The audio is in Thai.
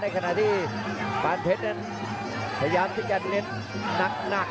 ในขณะที่ปานเพชรเน้นพยายามที่จะเน้นนักครับ